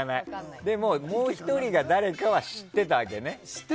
でも、もう１人が誰かは知ってたわけね。